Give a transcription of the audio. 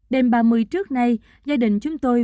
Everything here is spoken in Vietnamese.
đêm ba mươi trước nay gia đình chúng tôi